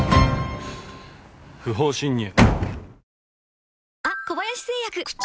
不法侵入